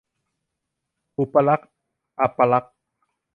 อุปลักษณ์-อัปลักษณ์